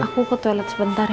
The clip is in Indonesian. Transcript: aku ke toilet sebentar ya